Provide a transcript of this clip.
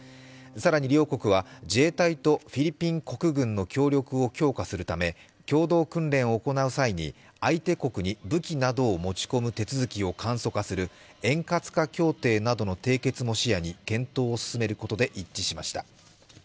更に両国は自衛隊とフィリピン国軍の協力を強化するため共同訓練を行う際に相手国に武器などを持ち込む手続きを簡素化する円滑化協定などの締結も視野に検討を進めることで一致しました。